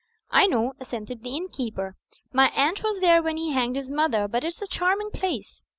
"I know," assented the innkeeper. "My aunt was there when he hanged his mother; but it's a charming place."